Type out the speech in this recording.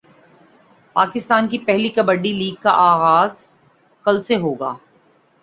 پاکستان کی پہلی کبڈی لیگ کا غاز کل سے ہوگا